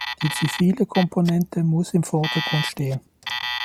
Die zivile Komponente muss im Vordergrund stehen.